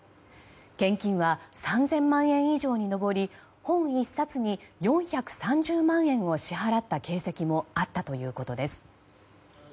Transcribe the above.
献金は３０００万円以上に上り本１冊に４３０万円を支払った形跡もあったということです。